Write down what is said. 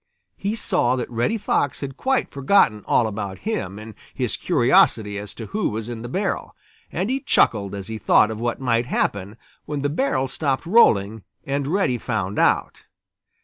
He saw that Reddy Fox had quite forgotten all about him in his curiosity as to who was in the barrel, and he chuckled as he thought of what might happen when the barrel stopped rolling and Reddy found out.